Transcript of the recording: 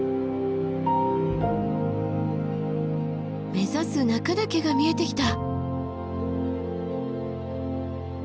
目指す中岳が見えてきた！